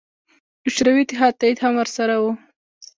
د شوروي اتحاد تایید هم ورسره و.